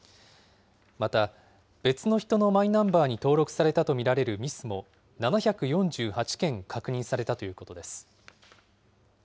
また、別の人のマイナンバーに登録されたと見られるミスも７４８件確認されたということです。